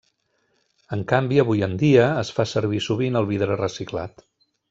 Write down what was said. En canvi, avui en dia, es fa servir sovint el vidre reciclat.